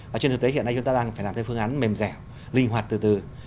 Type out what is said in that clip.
và trên thực tế hiện nay chúng ta đang phải làm cái phương án mềm dẻo linh hoạt từ từ